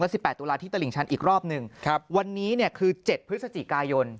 แล้ว๑๘ตุลาที่ตลิงชันอีกรอบนึงวันนี้คือเจ็ดพฤศจิกายน